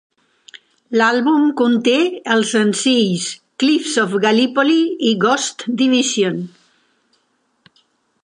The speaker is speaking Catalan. L'àlbum conté els senzills "Cliffs of Gallipoli" i "Ghost Division".